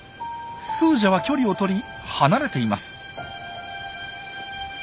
スージャは距離をとり離れています。